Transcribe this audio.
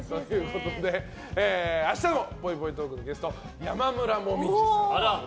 明日のぽいぽいトークのゲスト山村紅葉さん。